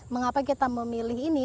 mengapa kita memilih ini